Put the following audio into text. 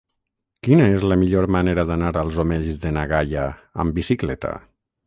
Quina és la millor manera d'anar als Omells de na Gaia amb bicicleta?